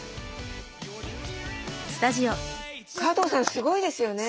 すごいですよね。